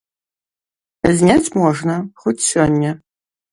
Зняць можна, хоць сёння.